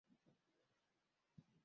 Wafanyikazi wote walogoma.